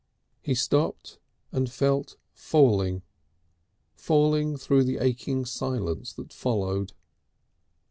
He stopped, and felt falling, falling through the aching silence that followed.